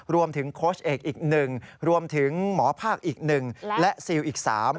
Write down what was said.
โค้ชเอกอีก๑รวมถึงหมอภาคอีก๑และซิลอีก๓